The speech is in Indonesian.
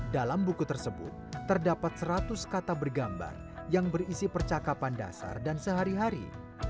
dalam buku tersebut terdapat seratus kata bergambar yang berisi percakapan dasar dan sehari hari